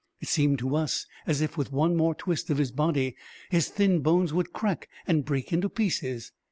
It seemed to us as if with one more twist of his body his thin bones would crack and break into pieces.